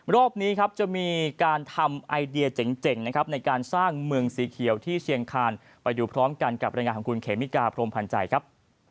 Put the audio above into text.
รอบนี้ครับจะมีการทำไอเดียเจ๋งนะครับในการสร้างเมืองสีเขียวที่เชียงคานไปดูพร้อมกันกับรายงานของคุณเขมิกาพรมพันธ์ใจครับ